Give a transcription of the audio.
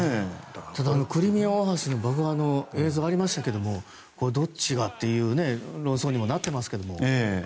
ただ、クリミア大橋の爆破の映像ありましたけどどっちがという論争にもなっていますが。